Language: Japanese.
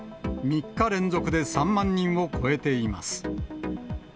３日連続で３万人を超えています。